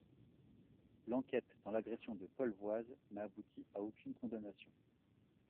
L'enquête dans l'agression de Paul Voise n'a abouti à aucune condamnation.